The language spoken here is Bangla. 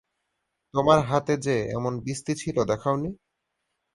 তোমার হাতে যে, এমন বিস্তি ছিল, দেখাওনি?